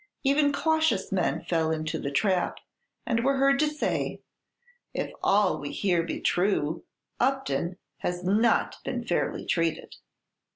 Even cautious men fell into the trap, and were heard to say, "If all we hear be true, Upton has not been fairly treated."